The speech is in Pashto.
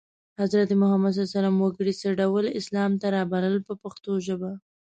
حضرت محمد وګړي څه ډول اسلام ته رابلل په پښتو ژبه.